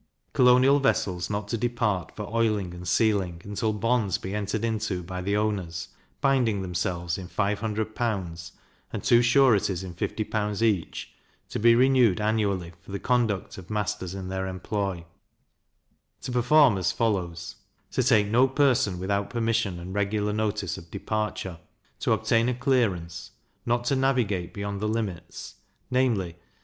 Colonial vessels not to depart for oiling and sealing, until bonds be entered into by the owners, binding themselves in five hundred pounds, and two sureties in fifty pounds each (to be renewed annually, for the conduct of masters in their employ), to perform as follows: To take no person without permission and regular notice of departure; to obtain a clearance; not to navigate beyond the limits, namely, 10.